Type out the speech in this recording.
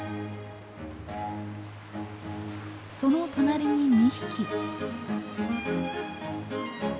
その隣に２匹。